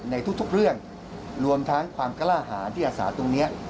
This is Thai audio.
ในทุกเรื่องรวมทั้งความกล้าหารที่อาสาตรงนี้